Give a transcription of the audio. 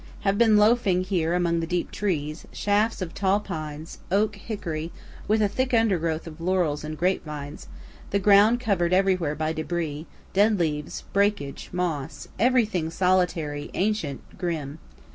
Have been loafing here deep among the trees, shafts of tall pines, oak, hickory, with a thick undergrowth of laurels and grapevines the ground cover'd everywhere by debris, dead leaves, breakage, moss everything solitary, ancient, grim.